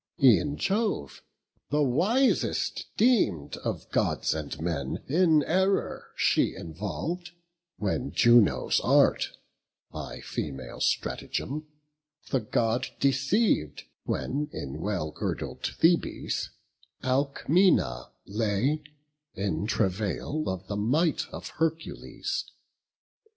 E'en Jove, the wisest deem'd of Gods and men, In error she involv'd, when Juno's art By female stratagem the God deceiv'd, When in well girdled Thebes Alcmena lay In travail of the might of Hercules.